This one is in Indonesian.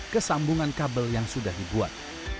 ke sambungan kabel yang sudah dibuat